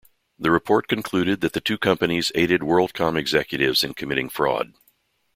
The report concluded that the two companies aided WorldCom executives in committing fraud.